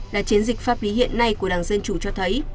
là chiến dịch pháp lý hiện nay của đảng dân chủ cho thấy